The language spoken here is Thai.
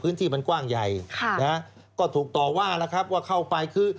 พื้นที่มันกว้างใหญ่ค่ะนะฮะก็ถูกต่อว่าแล้วครับว่าเข้าไปคือ